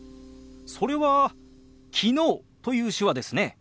それは「昨日」という手話ですね。